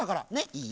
いい？